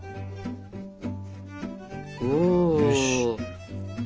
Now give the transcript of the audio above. よし！